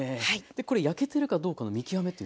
これ焼けてるかどうかの見極めというのは？